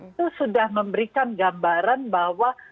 itu sudah memberikan gambaran bahwa